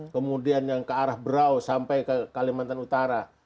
kemudian yang ke arah brau sampai ke kalimantan utara